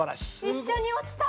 一緒に落ちた。